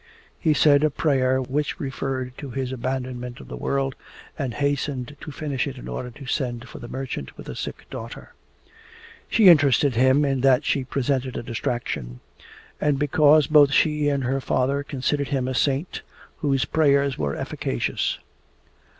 He said a prayer which referred to his abandonment of the world, and hastened to finish it in order to send for the merchant with the sick daughter. She interested him in that she presented a distraction, and because both she and her father considered him a saint whose prayers were efficacious.